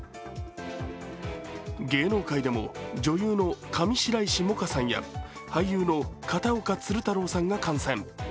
芸能界でも女優の上白石萌歌さんや俳優の片岡鶴太郎さんが感染。